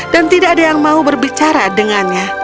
dan tidak ada orang yang ingin berbicara dengan dia